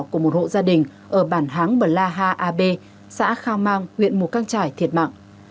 của một hộ gia đình ở bản háng bờ la ha a b xã khao mang huyện mù căng trải thiệt mạng